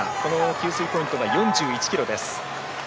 給水ポイントは４１ｋｍです。